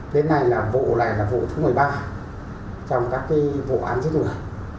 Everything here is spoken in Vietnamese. đến nay là vụ này là vụ thứ một mươi ba trong các vụ án giết người